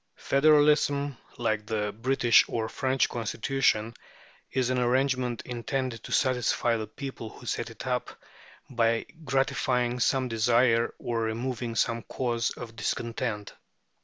Federalism, like the British or French Constitution, is an arrangement intended to satisfy the people who set it up by gratifying some desire or removing some cause of discontent.